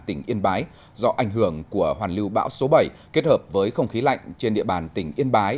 tỉnh yên bái do ảnh hưởng của hoàn lưu bão số bảy kết hợp với không khí lạnh trên địa bàn tỉnh yên bái